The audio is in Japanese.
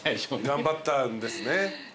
頑張ったんですね。